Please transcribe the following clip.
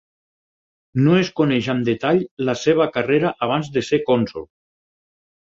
No es coneix amb detall la seva carrera abans de ser cònsol.